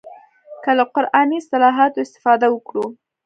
که له قراني اصطلاحاتو استفاده وکړو.